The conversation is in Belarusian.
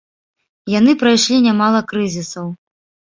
Яны прайшлі нямала крызісаў.